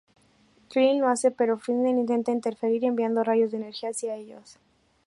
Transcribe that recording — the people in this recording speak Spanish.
Krilin lo hace, pero Freezer intenta interferir, enviando rayos de energía hacia ellos.